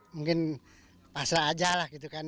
mungkin pasrah aja lah gitu kan